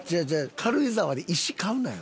軽井沢で石買うなよ。